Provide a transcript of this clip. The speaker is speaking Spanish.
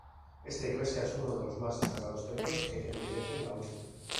Esta iglesia es uno de los más destacados templos que embellecen la urbe.